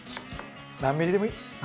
何ｍｍでもいい。